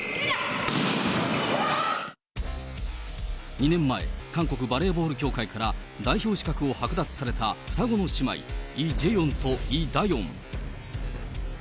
２年前、韓国バレーボール協会から代表資格を剥奪された双子の姉妹、イ・ジェヨンとイ・ダヨン。